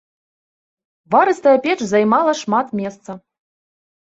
Варыстая печ займала шмат месца.